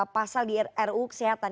pasal di ru kesehatan